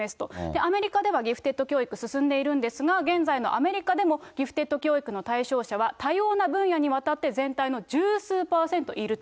アメリカではギフテッド教育、進んでいるんですが、現在のアメリカでもギフテッド教育の対象者は、多様な分野にわたり全体の十数％いると。